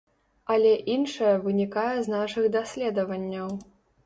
Але іншае вынікае з нашых даследаванняў.